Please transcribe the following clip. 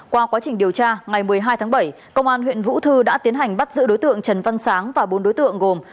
qua quá trình điều tra ngày một mươi hai tháng bảy công an huyện vũ thư đã tiến hành bắt giữ đối tượng trần văn sáng và bốn đối tượng gồm